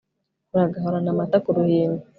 uragahorana amata k'uruhimbi